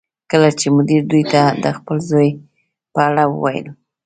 کله چې مدیر دوی ته د خپل زوی په اړه وویل